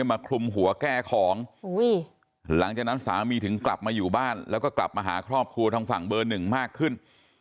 มาคลุมหัวแก้ของหลังจากนั้นสามีถึงกลับมาอยู่บ้านแล้วก็กลับมาหาครอบครัวทางฝั่งเบอร์หนึ่งมากขึ้น